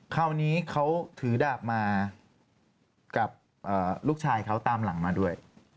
คราวนี้เขาถือดาบมากับลูกชายเขาตามหลังมาด้วย